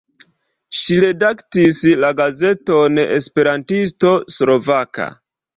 Ŝi redaktis la gazeton Esperantisto Slovaka.